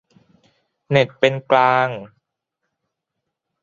เน็ตเป็นกลาง